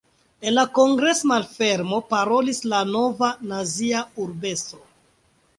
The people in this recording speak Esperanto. En la kongres-malfermo parolis la nova, nazia urb-estro.